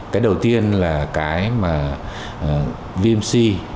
cái đầu tiên là cái mà vmc